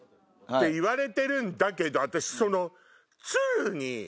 言われてるんだけど。